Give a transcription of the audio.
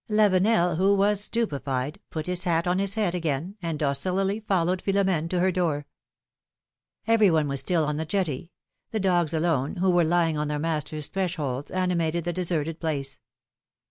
Lavenel, who was stupefied, put his hat on his head again and docilely followed Philora^ne to her door. Every one was still on the jetty ; the dogs alone, who were lying on their masters^ thresholds, animated the de serted place.